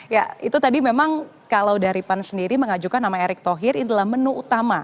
ya itu tadi memang kalau dari pan sendiri mengajukan nama erick thohir adalah menu utama